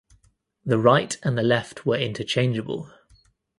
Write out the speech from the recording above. The right and the left were interchangeable.